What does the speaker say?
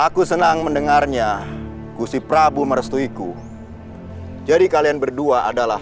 keluarga desa dalam bahaya